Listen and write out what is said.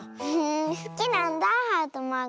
すきなんだハートマーク。